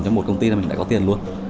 trong một công ty là mình lại có tiền luôn